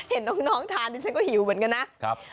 เห็นน้องทานดิฉันก็หิวเหมือนกันนะ